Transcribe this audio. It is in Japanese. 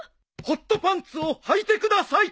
ホットパンツをはいてください！